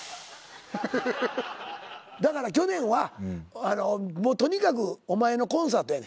だから去年はとにかくお前のコンサートやねん。